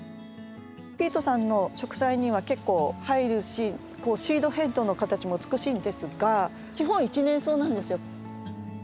ピートさんの植栽には結構入るしシードヘッドの形も美しいんですが基本一年草なんですよ。